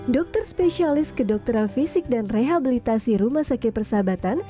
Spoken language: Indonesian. dokter spesialis kedokteran fisik dan rehabilitasi rumah sakit persahabatan